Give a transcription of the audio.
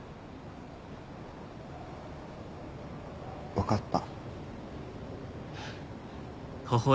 分かった。